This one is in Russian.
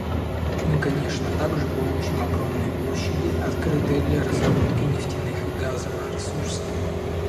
Мы, конечно, также получим огромные площади, открытые для разработки нефтяных и газовых ресурсов.